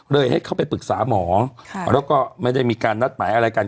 ให้เขาไปปรึกษาหมอแล้วก็ไม่ได้มีการนัดหมายอะไรกัน